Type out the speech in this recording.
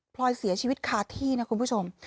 ลอยเสียชีวิตคาที่นะคุณผู้ชม